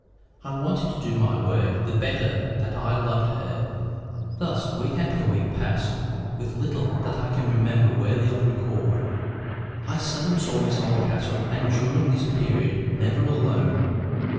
I wanted to do my work the better that I loved her. Thus week after week passed, with little that I can remember worthy of record. I seldom saw Miss Oldcastle, and during this period never alone.